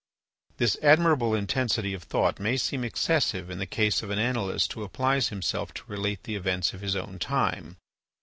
This admirable intensity of thought may seem excessive in the case of an annalist who applies himself to relate the events of his own time.